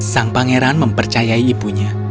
sang pangeran mempercayai ibunya